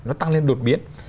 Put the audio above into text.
nó tăng lên đột biến